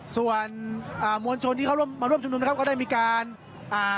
ส่วนอ่ามวลชนที่เขาร่วมมาร่วมชุมนุมนะครับก็ได้มีการอ่า